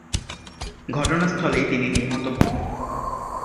ঘটনাস্থলেই তিনি নিহত হন।